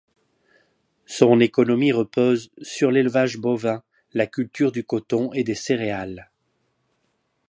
Son économie repose sur l'élevage bovin, la culture du coton et des céréales.